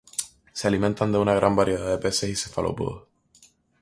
Se alimenta de una gran variedad de peces y cefalópodos.